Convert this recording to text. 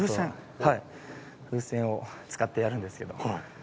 風船を使ってやるんですけど。